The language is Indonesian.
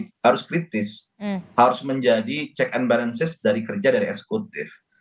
harus kritis harus menjadi check and balances dari kerja dari eksekutif